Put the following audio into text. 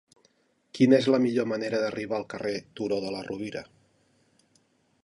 Quina és la millor manera d'arribar al carrer del Turó de la Rovira?